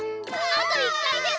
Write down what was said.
あと１かいです！